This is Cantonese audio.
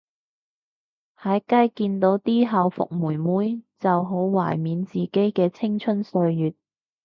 喺街見到啲校服妹妹就好懷緬自己嘅青春歲月